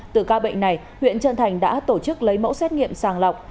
từ ca bệnh này huyện trân thành đã tổ chức lấy mẫu xét nghiệm sàng lọc